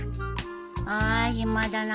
あ暇だな。